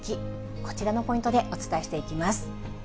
こちらのポイントでお伝えしていきます。